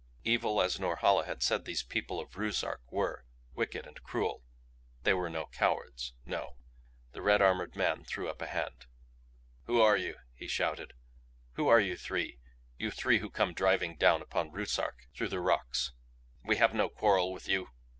Evil as Norhala had said these people of Ruszark were, wicked and cruel they were no cowards, no! The red armored man threw up a hand. "Who are you?" he shouted. "Who are you three, you three who come driving down upon Ruszark through the rocks? We have no quarrel with you?"